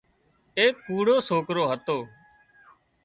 ايڪ ڪوڙو سوڪرو هتو